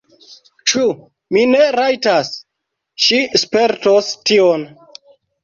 Ĉu mi ne rajtas? Ŝi spertos tion!